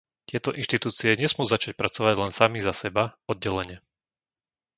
Tieto inštitúcie nesmú začať pracovať len sami za seba, oddelene.